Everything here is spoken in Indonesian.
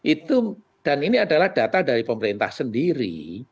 itu dan ini adalah data dari pemerintah sendiri